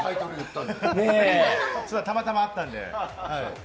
たまたまあったんで。